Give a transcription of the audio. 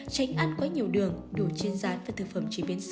tránh ăn quá nhiều đường đổ trên gián và thực phẩm